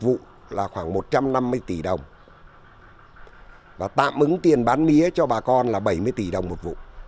cũng như quá trình làm đất